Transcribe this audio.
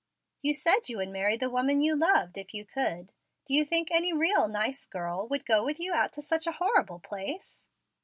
You said you would marry the woman you loved, if you could. Do you think any real nice girl would go with you to such a horrible place?"